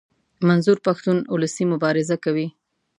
منظور پښتون اولسي مبارزه کوي.